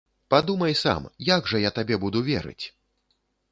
Падумай сам, як жа я табе буду верыць!